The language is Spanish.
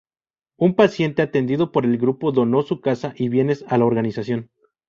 Un paciente atendido por el grupo donó su casa y bienes a la organización.